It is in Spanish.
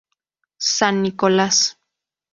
San Nicolás.